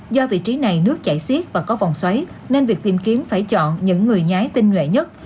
do vị trí này nước chảy xiết và có vòng xoáy nên việc tìm kiếm phải chọn những người nhái tinh nhuệ nhất